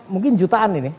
mungkin jutaan ini